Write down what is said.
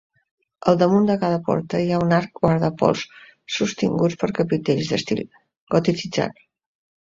Al damunt de cada porta hi ha un arc guardapols sostinguts per capitells d'estil goticitzant.